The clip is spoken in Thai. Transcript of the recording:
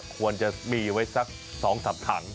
ควรจะมีไว้สัก๒๓ถัง